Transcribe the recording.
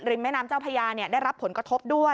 แม่น้ำเจ้าพญาได้รับผลกระทบด้วย